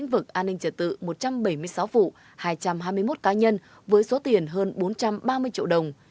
với số tiền hơn bốn trăm ba mươi triệu đồng